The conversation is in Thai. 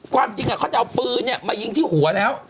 ความจริงเขาจะเอาปืนมายิงที่หัวแล้ว